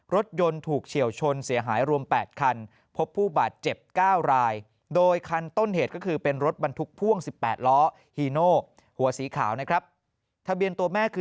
รถยนต์ถูกเฉียวชนเสียหายรวม๘คันพบผู้บาดเจ็บ๙ราย